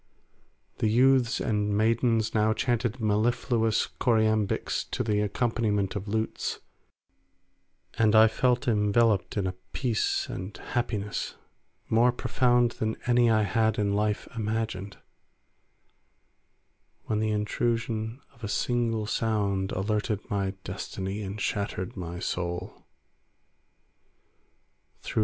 The youths and maidens now chanted mellifluous choriambics to the accompaniment of lutes, and I felt enveloped in a peace and happiness more profound than any I had in life imagined, when the intrusion of a single sound altered my destiny and shattered my soul.